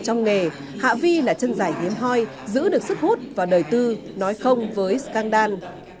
trong nghề hạ vi là chân giải hiếm hoi giữ được sức hút và đời tư nói không với scang đan